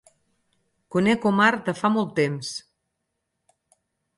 Conec Omar de fa molt temps.